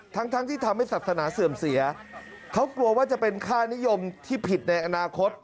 ทั้งทั้งที่ทำให้ศาสนาเสื่อมเสียเขากลัวว่าจะเป็นค่านิยมที่ผิดในอนาคต